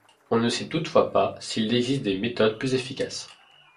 On ne sait toutefois pas s'il existe des méthodes plus efficaces.